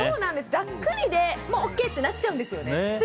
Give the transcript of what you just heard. ざっくりでＯＫってなっちゃうんです。